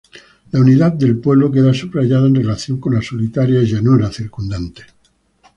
La unidad del pueblo queda subrayada en relación con la solitaria llanura circundante.